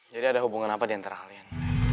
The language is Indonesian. jadi ada hubungan apa diantara kalian